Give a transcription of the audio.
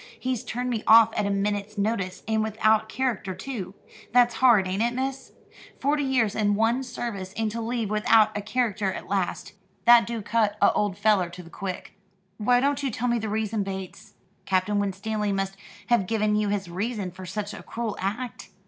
He's turned me off at a minute's notice, and without a character too. That's hard, ain't it, miss? Forty years in one service, and to leave without a character at last! That do cut a old feller to the quick." "Why don't you tell me the reason, Bates? Captain Winstanley must have given you his reason for such a cruel act."